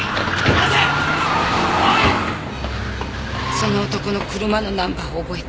その男の車のナンバーを覚えた。